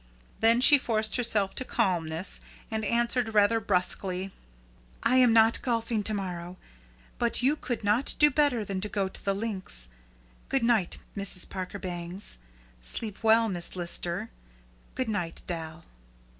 Then she forced herself to calmness and answered rather brusquely: "I am not golfing to morrow; but you could not do better than go to the links. Good night, Mrs. Parker Bangs. Sleep well, Miss Lister. Good night, Dal."